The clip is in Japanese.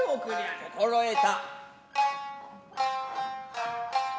心得た。